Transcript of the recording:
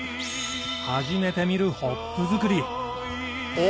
初めて見るホップ作りお！